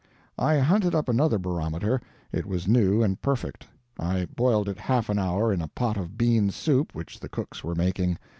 I hunted up another barometer; it was new and perfect. I boiled it half an hour in a pot of bean soup which the cooks were making.